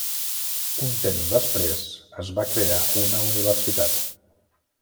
Un temps després es va crear una universitat.